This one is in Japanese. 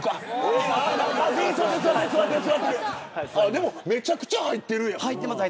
でもめちゃくちゃ入ってるやん。